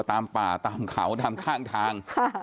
ตามป่าตามเขาตามข้างทาง